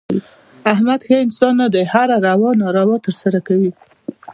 احمد ښه انسان نه دی. هره روا ناروا ترسه کوي.